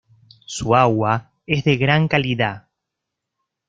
Su agua es de gran calidad.